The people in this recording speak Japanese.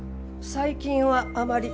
最近はあまり。